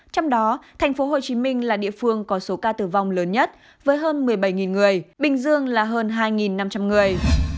trong đó tp hcm là địa phương có số ca tử vong lớn nhất với hơn một mươi bảy người bình dương là hơn hai năm trăm linh người